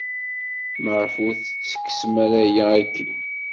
Maɣef ur tettekksem ara aya akkin?